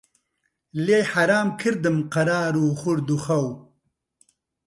لێی حەرام کردم قەرار و خورد و خەو